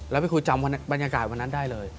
แล้วพี่ครูจำบรรยากาศวันนั้นได้เลย